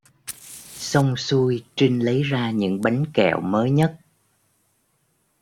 Xong xuôi Trinh lấy ra những bánh kẹo mới nhất